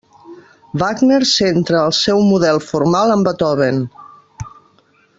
Wagner centra el seu model formal en Beethoven.